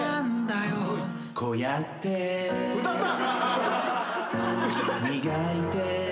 歌った！